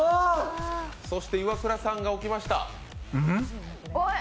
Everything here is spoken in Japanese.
そしてイワクラさんが置きました。